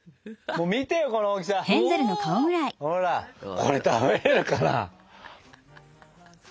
これ食べれるかな。